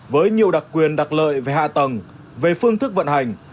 với nhiều đặc quyền đặc lợi về hạ tầng về phương thức vận hành